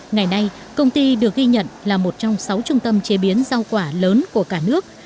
ngày nay công ty được ghi nhận là một trong sáu trung tâm chế biến rau quả lớn của cả nước